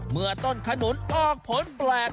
เมื่อต้นขนุนออกผลแปลก